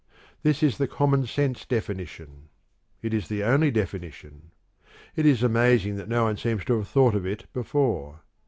This is the common sense definition ; it is the only definition : it is amazing that no one seems to have thought of it before.